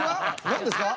何ですか？